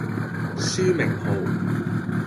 書名號